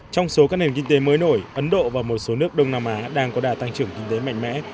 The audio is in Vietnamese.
trong số các nền kinh tế mới nổi ấn độ và một số nước đông nam á đang có đà tăng trưởng kinh tế mạnh mẽ